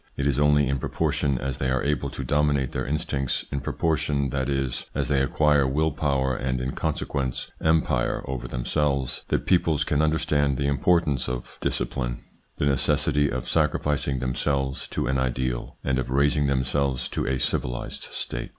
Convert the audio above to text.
It is only in proportion as they are able to dominate their instincts, in proportion, that is, as they acquire will power and in consequence empire over them selves, that peoples can understand the importance of discipline, the necessity of sacrificing themselves to an ideal and of raising themselves to a civilised state.